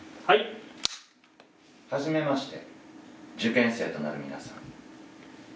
はじめまして、受験生となる皆さん。